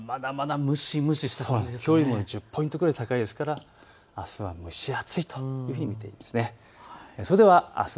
きょうよりも１０ポイントぐらい高いですから、あすは蒸し暑いというふうに見ていいです。